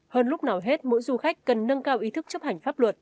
hơn lúc nào hết mỗi du khách cần nâng cao ý thức chấp hành pháp luật